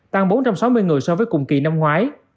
tăng bốn trăm sáu mươi người so với cùng kỳ năm ngoái